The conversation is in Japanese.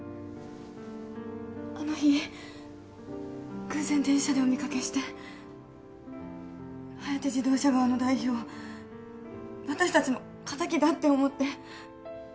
あの日偶然電車でお見掛けしてハヤテ自動車側の代表私たちの敵だって思って。